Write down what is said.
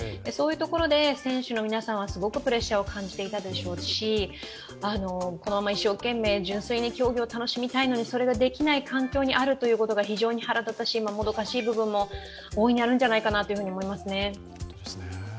そういうところで選手の皆さんはすごくプレッシャーを感じていたでしょうし、このまま一生懸命純粋に競技を楽しみたいのに、それができない環境にあるというのが非常に腹立たしい、もどかしい部分も大いにあるんじゃないかなと思いますね。